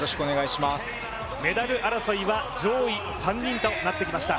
メダル争いは上位３人となってきました。